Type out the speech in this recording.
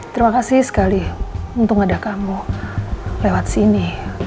terima kasih sekali untuk ngada kamu lewat sini